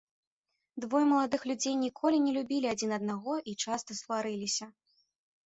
Двое маладых людзей ніколі не любілі адзін аднаго і часта сварыліся.